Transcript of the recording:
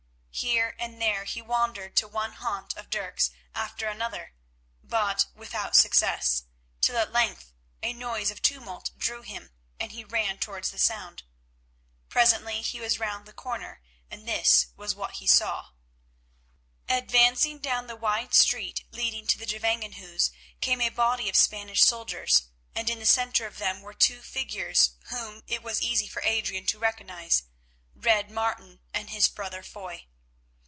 Here and there he wandered to one haunt of Dirk's after another, but without success, till at length a noise of tumult drew him, and he ran towards the sound. Presently he was round the corner, and this was what he saw. Advancing down the wide street leading to the Gevangenhuis came a body of Spanish soldiers, and in the centre of them were two figures whom it was easy for Adrian to recognise—Red Martin and his brother Foy.